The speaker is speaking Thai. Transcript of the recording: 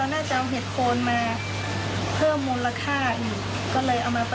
นะครับ